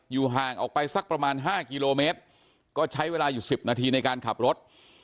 ห่างออกไปสักประมาณ๕กิโลเมตรก็ใช้เวลาอยู่๑๐นาทีในการขับรถ